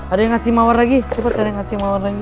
ada yang ngasih mawar lagi cepet ada yang ngasih mawar lagi